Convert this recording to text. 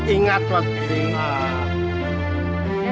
ingat wak pri